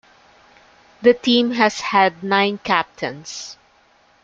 The team has had nine captains.